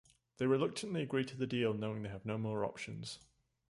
They reluctantly agree to the deal knowing they have no more options.